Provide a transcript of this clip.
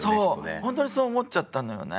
ほんとにそう思っちゃったのよね。